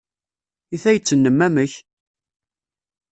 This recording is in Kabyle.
I tayet-nnem, amek?